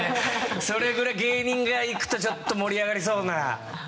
それぐらい芸人が行くとちょっと盛り上がりそうな。